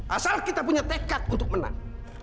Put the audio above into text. asal kita punya tekad untuk menang